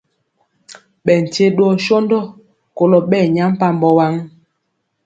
Ɓɛ nkye dwɔ sɔndɔ kolɔ ɓɛ nyampambɔ waŋ.